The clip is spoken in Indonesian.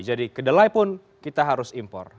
jadi kedelai pun kita harus impor